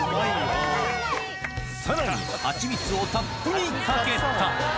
さらに蜂蜜をたっぷりかけた。